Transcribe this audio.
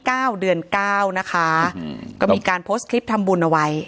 วันที่๙เดือน๙นะคะก็มีการโพสต์คลิปทำบุญเอาไว้